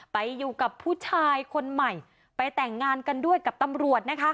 ไปอยู่กับผู้ชายคนใหม่ไปแต่งงานกันด้วยกับตำรวจนะคะ